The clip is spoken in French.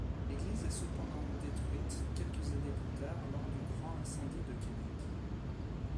L'église est cependant détruite quelques années plus tard, lors du Grand incendie de Québec.